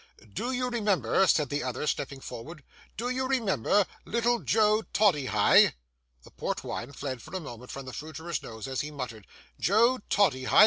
'Do you remember,' said the other, stepping forward,—'do you remember little Joe Toddyhigh?' The port wine fled for a moment from the fruiterer's nose as he muttered, 'Joe Toddyhigh!